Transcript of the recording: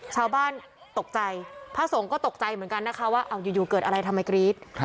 ชาวบ้านตกใจพระสงฆ์ก็ตกใจเหมือนกันนะคะว่าอยู่เกิดอะไรทำไมกรี๊ด